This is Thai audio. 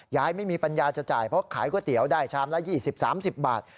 ยายไม่มีปัญญาจะจ่ายเพราะขายก๋วยเตี๋ยวได้ชามละ๒๐๓๐บาท